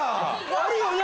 あるよな？